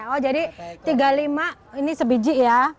oh jadi tiga puluh lima ini sebiji ya